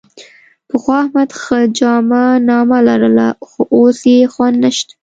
پخوا احمد ښه جامه نامه لرله، خو اوس یې خوند نشته.